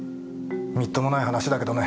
みっともない話だけどね